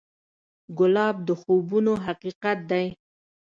ګلاب د خوبونو حقیقت دی.